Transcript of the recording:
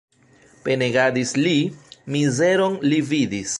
Penegadis li, mizeron li vidis.